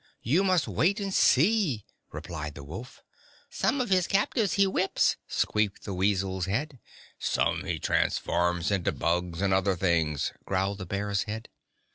You must wait and see," replied the wolf. "Some of his captives he whips," squeaked the weasel's head. "Some he transforms into bugs and other things," growled the bear's head.